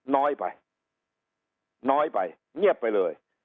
น้อยไปน้อยไปเงียบไปเลย